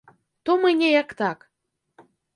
То мы неяк так.